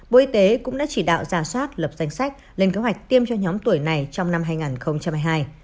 bộ y tế cũng đã chỉ đạo giả soát lập danh sách lên kế hoạch tiêm cho nhóm tuổi này trong năm hai nghìn hai mươi hai